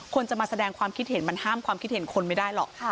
คนจะมาแสดงความคิดเห็นมันห้ามความคิดเห็นคนไม่ได้หรอก